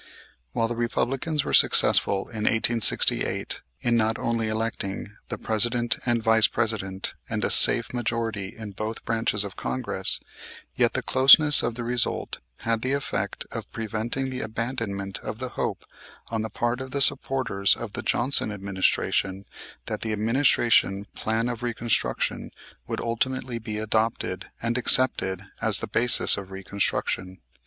While the Republicans were successful in 1868 in not only electing the President and Vice President and a safe majority in both branches of Congress, yet the closeness of the result had the effect of preventing the abandonment of the hope on the part of the supporters of the Johnson administration that the administration Plan of Reconstruction would ultimately be adopted and accepted as the basis of Reconstruction.